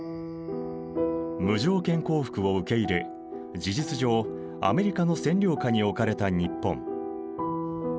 無条件降伏を受け入れ事実上アメリカの占領下におかれた日本。